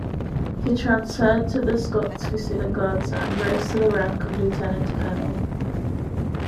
He transferred to the Scots Fusilier Guards and rose to the rank of Lieutenant-Colonel.